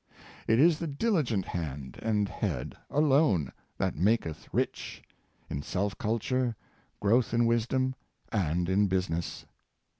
It is the diligent hand and head alone that maketh rich — in self culture, growth in wisdom, and in business.